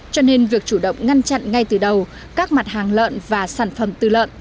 cho nên việc chủ động ngăn chặn ngay từ đầu các mặt hàng lợn và sản phẩm tư lợn